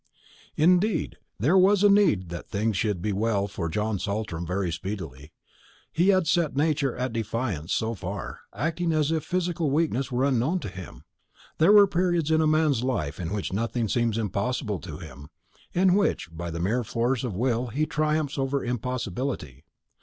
Indeed, there was need that things should be well for John Saltram very speedily. He had set nature at defiance so far, acting as if physical weakness were unknown to him. There are periods in a man's life in which nothing seems impossible to him; in which by the mere force of will he triumphs over impossibility.